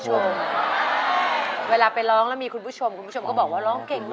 เวลาไปร้องแล้วมีคุณผู้ชม